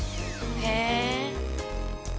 へえ。